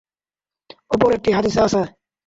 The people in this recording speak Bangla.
অপর একটি হাদীসে আছে।